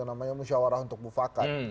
namanya musyawarah untuk bufakan